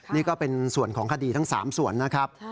นี่ก็เป็นส่วนของคดีทั้ง๓ส่วนนะครับ